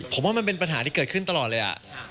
ผมว่ามันเป็นปัญหาที่เกิดขึ้นตลอดเลย